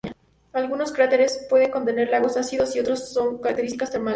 Algunos cráteres pueden contener lagos ácidos y otros con características termales.